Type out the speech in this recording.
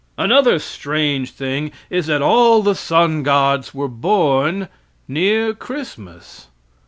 Another strange thing is that all the sun gods were born near Christmas.